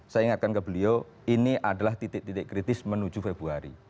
saya ingatkan ke beliau ini adalah titik titik kritis menuju februari